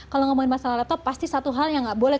kalau ngomongin masalah laptop pasti satu hal yang nggak boleh